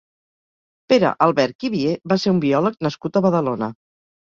Pere Alberch i Vié va ser un biòleg nascut a Badalona.